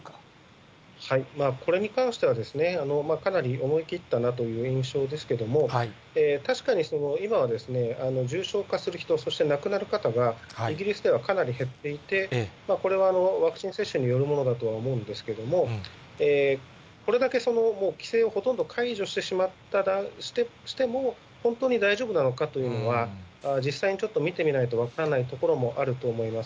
これに関しては、かなり思い切ったなという印象ですけれども、確かに今は重症化する人、そして亡くなる方がイギリスではかなり減っていて、これはワクチン接種によるものだとは思うんですけれども、これだけ規制をほとんど解除しても、本当に大丈夫なのかというのは、実際にちょっと見てみないと分からないところもあると思います。